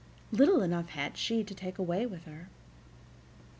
Little enough had she to take away with her.